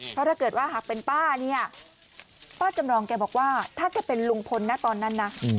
เพราะถ้าเกิดว่าหากเป็นป้าเนี่ยป้าจำลองแกบอกว่าถ้าแกเป็นลุงพลนะตอนนั้นนะ